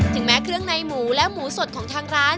แม้เครื่องในหมูและหมูสดของทางร้าน